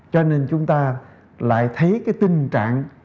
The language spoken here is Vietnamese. cho nên chúng ta lại thấy cái tình trạng